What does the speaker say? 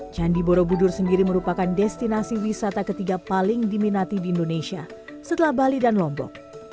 candi borobudur sendiri merupakan destinasi wisata ketiga paling diminati di indonesia setelah bali dan lombok